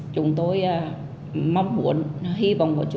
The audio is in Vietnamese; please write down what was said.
chúng tôi mong muốn hy vọng